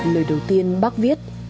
lời đầu tiên bác viết